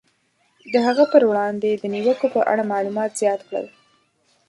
د هغه پر وړاندې د نیوکو په اړه معلومات زیات کړل.